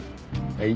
はい。